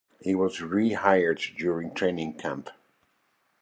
He was re-hired during training camp.